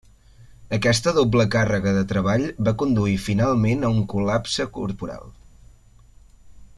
Aquesta doble càrrega de treball va conduir finalment a un col·lapse corporal.